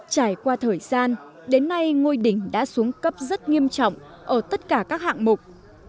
trải qua thời gian đến nay ngôi đình đã xuống cấp rất nghiêm trọng ở tất cả các hạng mục